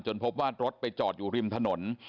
พบว่ารถไปจอดอยู่ริมถนน